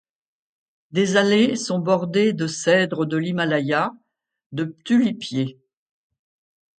Des allées sont bordées de cèdres de l'Himalaya, de tulipiers.